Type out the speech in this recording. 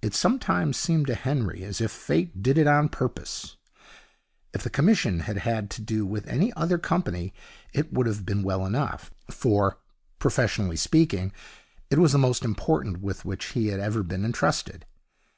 It sometimes seemed to Henry as if Fate did it on purpose. If the commission had had to do with any other company, it would have been well enough, for, professionally speaking, it was the most important with which he had ever been entrusted.